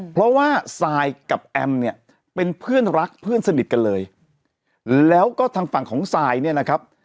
เพราะว่าซายกับแอมเนี่ยเป็นเพื่อนรักเพื่อนสนิทกันเลยแล้วก็ทางฝั่งของซายเนี่ยนะครับ